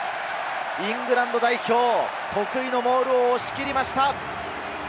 イングランド代表、得意のモールを押し切りました。